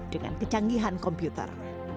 dengan kecanggihan komputer